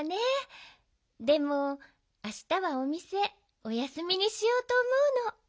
でもあしたはおみせおやすみにしようとおもうの。